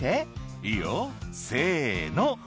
「いいよせの」